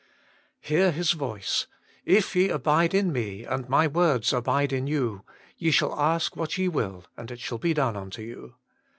Hear His voice, " If ye abide in Me, and My words abide in you, ye shall ask what ye will, and it shall be done unto you."